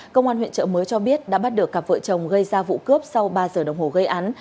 công an huyện trợ mới cho biết đã bắt được cặp vợ chồng gây ra vụ cướp sau ba giờ đồng hồ gây án